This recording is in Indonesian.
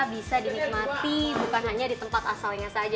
bisa dinikmati bukan hanya di tempat asalnya saja